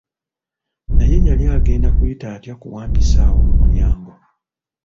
Naye yali agenda kuyita atya ku wampisi awo mu mulyango?